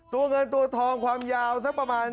ตัวเงินตัวทองความยาวสักประมาณ